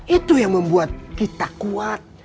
itu yang membuat kita kuat